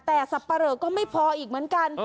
แต่สับปะเหลอก็ไม่พออีกเหมือนกัน